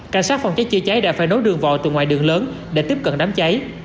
cảnh sát phòng cháy chữa cháy đã phải nối đường vòi từ ngoài đường lớn để tiếp cận đám cháy